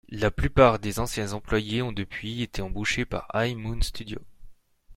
La plupart des anciens employés ont depuis été embauché par High Moon Studios.